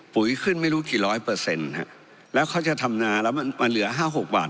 ขึ้นไม่รู้กี่ร้อยเปอร์เซ็นต์ฮะแล้วเขาจะทำนาแล้วมันมาเหลือห้าหกบาท